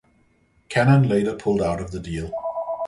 Canon later pulled out of the deal.